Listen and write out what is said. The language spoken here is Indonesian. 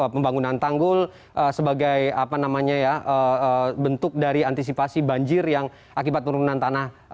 pembangunan tanggul sebagai bentuk dari antisipasi banjir yang akibat turunan tanah